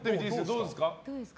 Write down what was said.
どうですか？